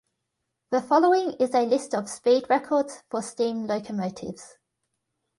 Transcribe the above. The following is a list of speed records for steam locomotives.